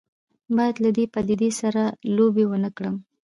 باید له دې پدیدې سره لوبې ونه کړو.